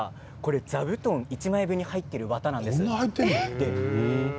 座布団１枚分に入っている綿なんです。